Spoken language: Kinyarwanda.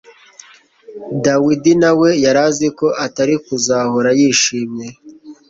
Dawidi na we yari azi ko atari kuzahora yishimye